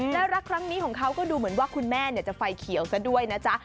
แล้วรักครั้งนี้ของเขาก็ดูเหมือนว่าคุณแม่จะไฟเขียวซะด้วยนะจ๊ะ